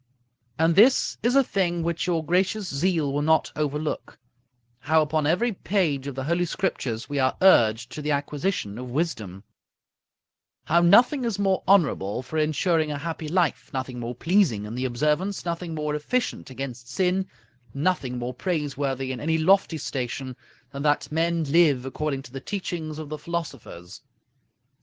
And this is a thing which your gracious zeal will not overlook: how upon every page of the Holy Scriptures we are urged to the acquisition of wisdom; how nothing is more honorable for insuring a happy life, nothing more pleasing in the observance, nothing more efficient against sin, nothing more praiseworthy in any lofty station, than that men live according to the teachings of the philosophers.